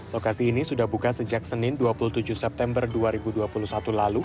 lokasi ini sudah buka sejak senin dua puluh tujuh september dua ribu dua puluh satu lalu